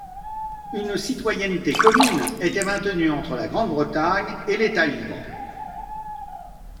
Une citoyenneté commune était maintenue entre la Grande-Bretagne et l'État Libre.